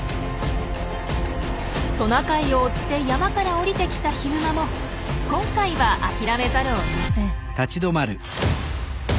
トナカイを追って山から下りてきたヒグマも今回は諦めざるを得ません。